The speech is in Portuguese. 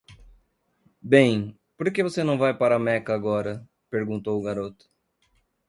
"Bem? por que você não vai para Meca agora??" Perguntou o garoto.